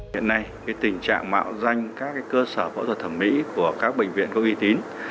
hiện nay tình trạng mạo danh các cơ sở phẫu thuật thẩm mỹ của các bệnh viện có uy tín